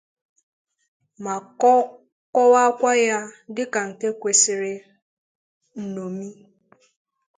ma kọwakwa ya dịka nke kwesiri nñomi.